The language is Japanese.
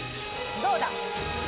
どうだ？